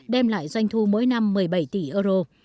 đem lại doanh thu mỗi năm một mươi bảy tỷ euro